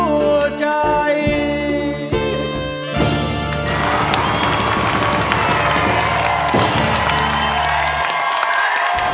ขอบคุณพระเจ้าล่ะ